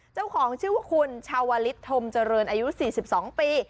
เจ้าของชื่อว่าคุณชาวลิศธมเจริญอายุ๔๒ปี